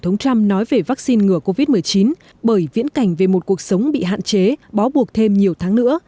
tổng thống trump nói về vaccine ngừa covid một mươi chín bởi viễn cảnh về một cuộc sống bị hạn chế bó buộc thêm nhiều tháng nữa